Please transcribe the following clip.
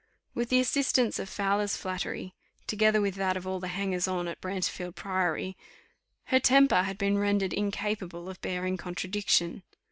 With the assistance of Fowler's flattery, together with that of all the hangers on at Brantefield Priory, her temper had been rendered incapable of bearing contradiction.